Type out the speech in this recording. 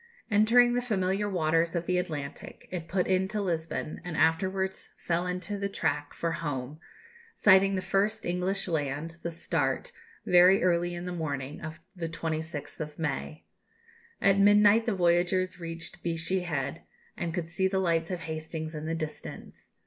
Entering the familiar waters of the Atlantic, it put into Lisbon, and afterwards fell into the track for "home," sighting the first English land, the Start, very early in the morning of the 26th of May. At midnight the voyagers reached Beachy Head, and could see the lights of Hastings in the distance.